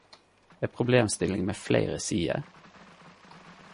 Ei problemstilling med fleire sider?